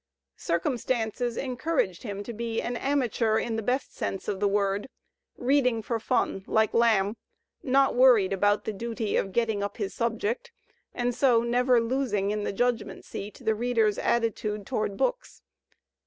Circumstances encouraged him to be an amateur in the best sense of the word, reading for fun, like Lamb, not worried about the duty of "getting up his subject," and so never losing in the judgment seat the reader's attitude toward books.